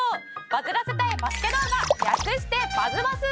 バズらせたいバスケ動画略してバズバス！